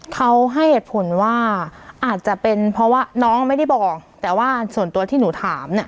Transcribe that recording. เขาให้เหตุผลว่าอาจจะเป็นเพราะว่าน้องไม่ได้บอกแต่ว่าส่วนตัวที่หนูถามเนี่ย